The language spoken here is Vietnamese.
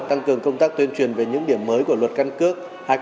tăng cường công tác tuyên truyền về những điểm mới của luật căn cước